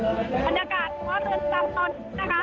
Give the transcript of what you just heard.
กระต่ำร้อนกระตูรวบประมาณ๕๐เมตรได้ค่ะ